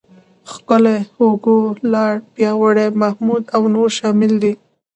ښکلی، هوګو، لاړ، پیاوړی، محمود او نور شامل دي.